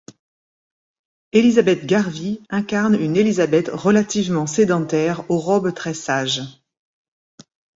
Elizabeth Garvie incarne une Elizabeth relativement sédentaire, aux robes très sages.